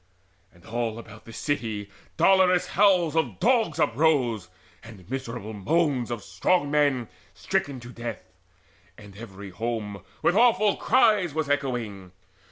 And all about the city dolorous howls Of dogs uprose, and miserable moans Of strong men stricken to death; and every home With awful cries was echoing.